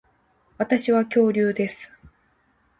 私は恐竜です